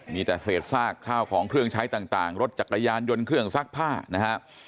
มีแต่เศษซากข้าวของเครื่องใช้ต่างรถจักรยานยนต์เครื่องซักผ้านะครับ